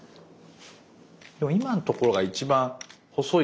でも今のところが一番細い。